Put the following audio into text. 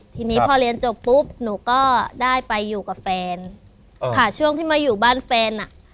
ทีนี้พอเรียนจบปุ๊บหนูก็ได้ไปอยู่กับแฟนค่ะช่วงที่มาอยู่บ้านแฟนอ่ะ